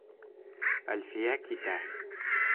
Әлфиә китә.